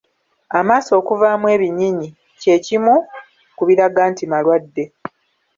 Amaaso okuvaamu ebinyinyi kye kimu kibiraga nti malwadde.